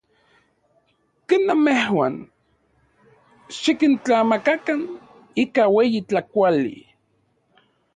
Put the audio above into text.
Ken namejuan, xikintlamakakan ika ueyi tlakauali.